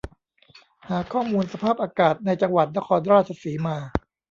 หาข้อมูลสภาพอากาศในจังหวัดนครราชสีมา